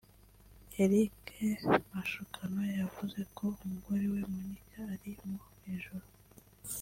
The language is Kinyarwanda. Eric Mashukano yavuze ko umugore we (Monique) ari mu ijuru